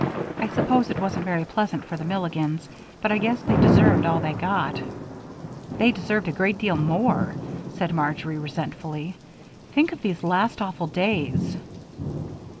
"I suppose it wasn't very pleasant for the Milligans, but I guess they deserved all they got." "They deserved a great deal more," said Marjory, resentfully. "Think of these last awful days!"